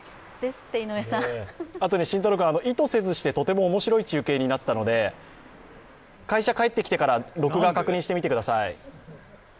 あと意図せずして、とても面白い中継になったので会社帰ってきてから録画確認してみてください。